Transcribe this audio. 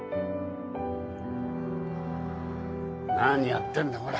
何やってんだほら。